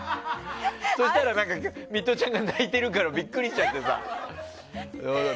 そしたらミトちゃんが泣いてるからビックリしちゃってさ。